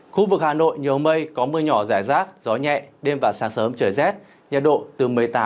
khu vực hà nội nhiều mây có mưa rải rác gió nhẹ đêm và sáng sớm trời rét